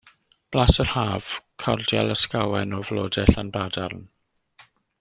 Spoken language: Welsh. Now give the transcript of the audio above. Blas yr Haf, cordial ysgawen o flodau Llanbadarn.